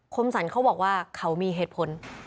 คมสรรเขาบอกว่าเขามีเหตุผล